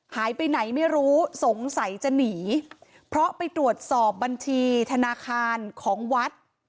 หายไปไหนไม่รู้สงสัยจะหนีเพราะไปตรวจสอบบัญชีธนาคารของวัด